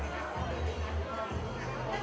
แข็งแรง